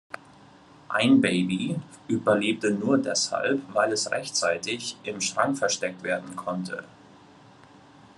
Ein Baby überlebte nur deshalb, weil es rechtzeitig im Schrank versteckt werden konnte.